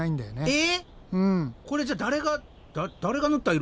え？